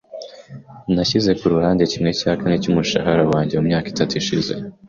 Nashyize ku ruhande kimwe cya kane cy'umushahara wanjye mu myaka itatu ishize.